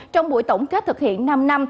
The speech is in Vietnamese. trong buổi tổng kết thực hiện năm năm